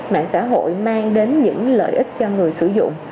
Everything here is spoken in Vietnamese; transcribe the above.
mạng xã hội mang đến những lợi ích cho người sử dụng